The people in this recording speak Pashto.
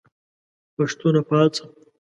پښتونه پاڅه !